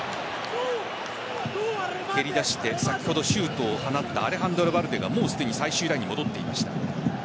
蹴り出して先ほどシュートを放ったアレハンドロ・バルデがもうすでに最終ラインに戻っていました。